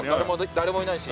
誰もいないし？